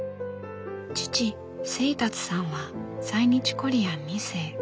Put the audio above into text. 父清達さんは在日コリアン２世。